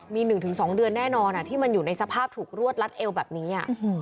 มีหนึ่งถึงสองเดือนแน่นอนอะที่มันอยู่ในสภาพถูกรวดลัดเอวแบบนี้อะ